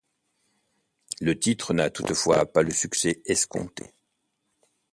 Le titre n'a toutefois pas le succès escompté.